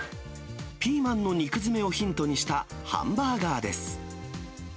ピーマンの肉詰めをヒントにしたハンバーガーです。